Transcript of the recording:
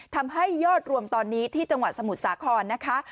ทำให้ยอดรวมตอนนี้ที่จังหวัดสมุทรสาครนะคะ